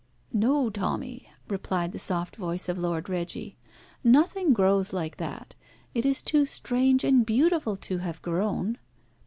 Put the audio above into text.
"No, Tommy," replied the soft voice of Lord Reggie, "nothing grows like that. It is too strange and beautiful to have grown."